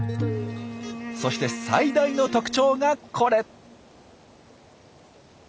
そして最大の特徴がこれ。